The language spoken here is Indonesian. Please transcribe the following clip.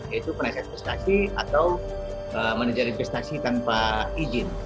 yaitu penasihat investasi atau menerjali investasi tanpa izin